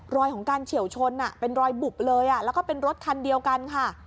รอยของการเฉียวชนเป็นรอยบุบเลยแล้วก็เป็นรถคันเดียวกันค่ะ